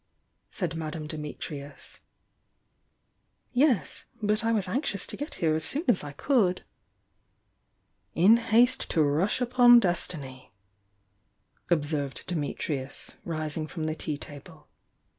said Madame Dimitrius. "Yes. But I was anxious to get here as soon as I could." "In haste to rush upon destiny!" observed Di mitrius, rising from the tea table.